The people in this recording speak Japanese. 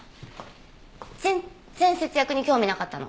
全然節約に興味なかったの。